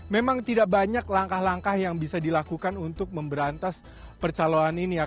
memang tidak banyak langkah langkah yang bisa dilakukan untuk memberantas percaloan ini